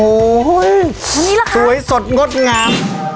อันนี้ล่ะคะสวยสดงดงาม